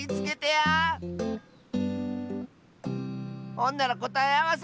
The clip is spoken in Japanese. ほんならこたえあわせ！